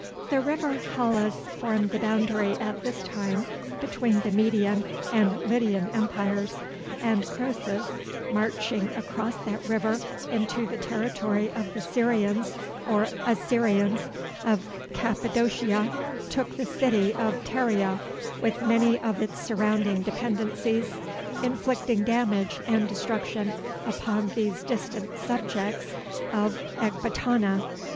The river Halys formed the boundary at this time between the Median and Lydian empires: and Croesus, marching across that river into the territory of the Syrians or Assyrians of Cappadocia, took the city of Pteria, with many of its surrounding dependencies, inflicting damage and destruction upon these distant subjects of Ekbatana.